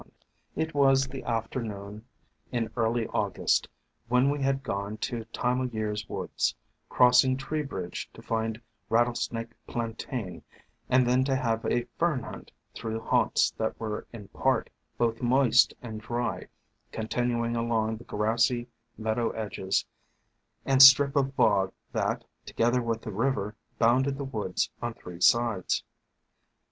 1 88 THE FANTASIES OF FERNS It was the afternoon in early August when we had gone to Time o' Year's woods, crossing Tree bridge to find Rattlesnake Plantain and then to have a Fern hunt through haunts that were in part both moist and dry, continuing along the grassy meadow edges and strip of bog that, together with the river, bounded the woods on three sides.